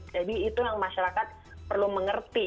jadi itu yang masyarakat perlu mengerti